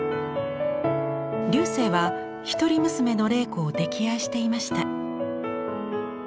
劉生は一人娘の麗子を溺愛していました。